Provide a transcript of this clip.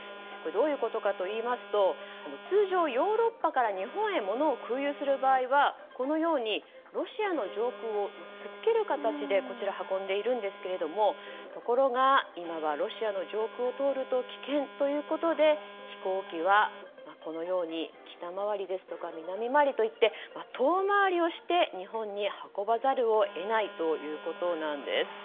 どういうことかといいますと通常ヨーロッパから日本へ物を空輸する場合はロシアの上空を突っ切る形で運んでいるんですがところが今はロシアの上空を通ると危険ということで飛行機は北回りですとか南回りといって遠回りをして日本に運ばざるを得ないということです。